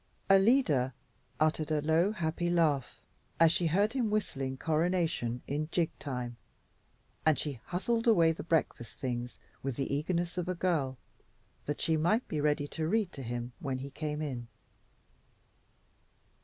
Alida uttered a low, happy laugh as she heard him whistling "Coronation" in jig time, and she hustled away the breakfast things with the eagerness of a girl, that she might be ready to read to him when he came in.